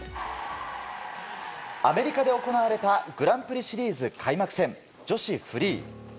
アメリカで行われたグランプリシリーズ開幕戦女子フリー。